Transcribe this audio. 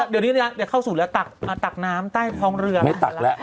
เดี๋ยวเข้าสู่แล้วตักน้ำใต้ท้องเรือ